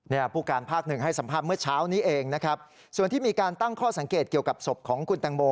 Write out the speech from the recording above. ผู้การภาคหนึ่งให้สัมภาษณ์เมื่อเช้านี้เองนะครับส่วนที่มีการตั้งข้อสังเกตเกี่ยวกับศพของคุณแตงโม